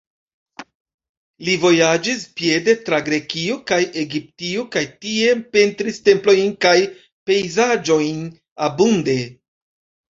Li vojaĝis piede tra Grekio kaj Egiptio kaj tie pentris templojn kaj pejzaĝojn abunde.